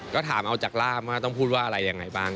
ก็ถามเอาจากร่ามว่าต้องพูดว่าอะไรยังไงบ้าง